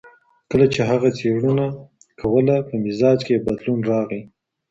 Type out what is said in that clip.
کله چي هغه څېړنه کوله په مزاج کي يې بدلون راغی.